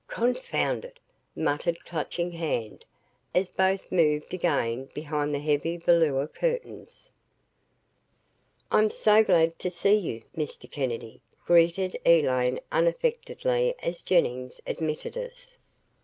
"Confound it!" muttered Clutching Hand, as both moved again behind the heavy velour curtains. ........ "I'm so glad to see you, Mr. Kennedy," greeted Elaine unaffectedly as Jennings admitted us.